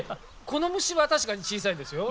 この虫は確かに小さいですよ。